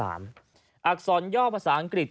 อักษรย่อภาษาอังกฤษ